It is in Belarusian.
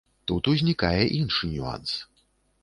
Тут узнікае іншы нюанс.